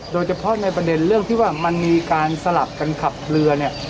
โดยเฉพาะในประเด็นเรื่องที่ว่ามันมีการสลับกันขับเรือเนี่ย